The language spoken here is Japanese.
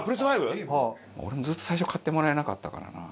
俺もずっと最初買ってもらえなかったからな。